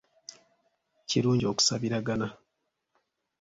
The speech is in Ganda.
Kirungi okusabiragana